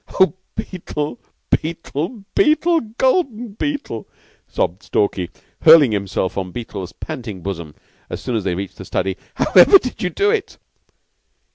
"Oh, Beetle! Beetle! Beetle! Golden Beetle!" sobbed Stalky, hurling himself on Beetle's panting bosom as soon as they reached the study. "However did you do it?"